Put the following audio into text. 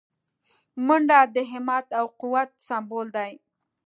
منډه د همت او قوت سمبول دی